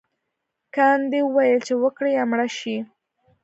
ګاندي وویل چې وکړئ یا مړه شئ.